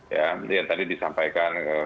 ya yang tadi disampaikan